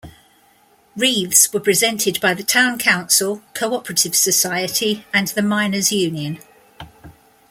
Wreaths were presented by the town council, co-operative society and the miners' union.